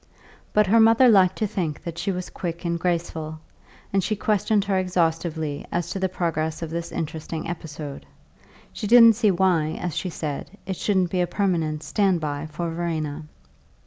But her mother liked to think that she was quick and graceful, and she questioned her exhaustively as to the progress of this interesting episode; she didn't see why, as she said, it shouldn't be a permanent "stand by" for Verena.